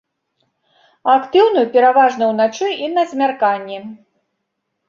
Актыўны пераважна ўначы і на змярканні.